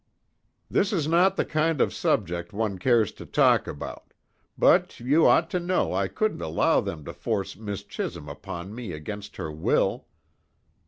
"This is not the kind of subject one cares to talk about; but you ought to know I couldn't allow them to force Miss Chisholm upon me against her will.